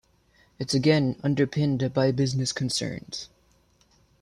It's again underpinned by business concerns.